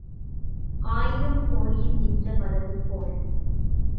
ஆயிரம் கோழி தின்ற வரகு போல்.